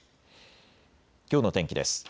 きょうの天気です。